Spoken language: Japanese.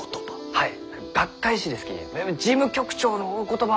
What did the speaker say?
はい。